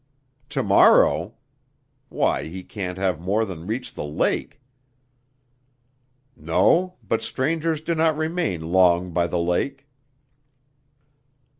"To morrow? Why, he can't have more than reached the lake." "No, but strangers do not remain long by the lake."